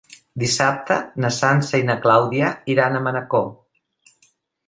Dissabte na Sança i na Clàudia iran a Manacor.